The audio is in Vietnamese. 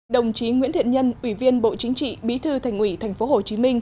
đồng chí nguyễn thiện nhân ủy viên bộ chính trị bí thư thành ủy tp hcm